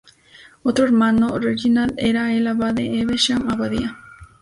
Otro hermano, Reginald, era el abad de Evesham Abadía.